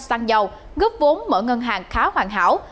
xanh giàu gấp vốn mở ngân hàng khá hoàn hảo